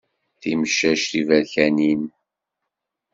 Timcac tiberkanin.